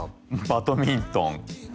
バドミントンえ